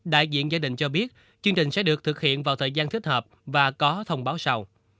đại diện gia đình cho biết chương trình sẽ được thực hiện vào thời gian thích hợp và có thông báo sau